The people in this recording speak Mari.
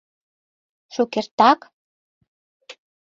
— Шукертак?!